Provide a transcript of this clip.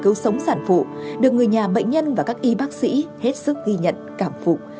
cứu sống sản phụ được người nhà bệnh nhân và các y bác sĩ hết sức ghi nhận cảm phục